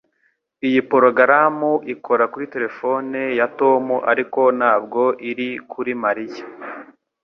Iyi porogaramu ikora kuri terefone ya Tom ariko ntabwo iri kuri Mariya